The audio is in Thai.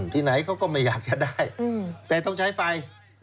ที่ไหนเขาก็ไม่อยากจะได้แต่ต้องใช้ไฟ